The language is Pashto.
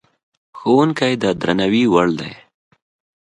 ښوونکی د درناوي وړ دی.